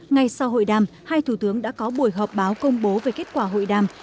ngay sau hội đàm hai thủ tướng đã có buổi họp báo công bố về kết quả hội đàm